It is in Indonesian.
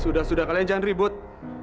sudah sudah kalian jangan ribut